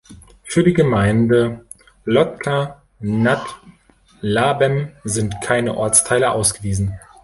Für die Gemeinde Lhotka nad Labem sind keine Ortsteile ausgewiesen.